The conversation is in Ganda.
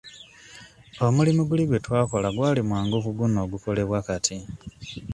Omulimu guli gwe twakola gwali mwangu ku guno ogukolebwa kati.